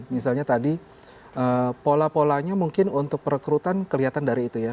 misalnya tadi pola polanya mungkin untuk perekrutan kelihatan dari itu ya